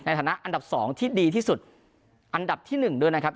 ฐานะอันดับ๒ที่ดีที่สุดอันดับที่๑ด้วยนะครับ